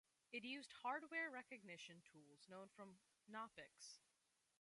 It used hardware recognition tools known from Knoppix.